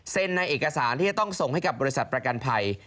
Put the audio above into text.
ในเอกสารที่จะต้องส่งให้กับบริษัทประกันภัย